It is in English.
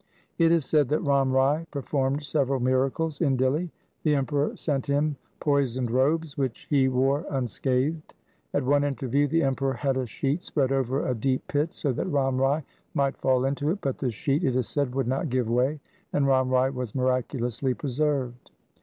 It is said that Ram Rai performed several miracles in Dihli. The Emperor sent him poisoned robes which he wore unscathed. At one interview the Emperor had a sheet spread over a deep pit so that Ram Rai might fall into it, but the sheet, it is said, would not give way, and Ram Rai was miraculously preserved.